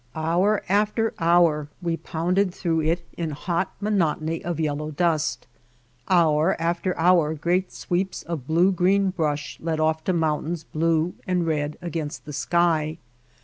Hour after hour we pounded through it in a hot monotony of yellow dust. Hour after hour great sweeps of blue green brush led off to mountains blue and red against the sky.